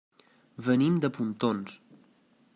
Venim de Pontons.